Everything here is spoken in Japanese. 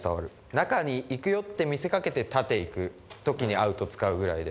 中に行くよって見せかけて、縦行くときにアウト使うぐらいで。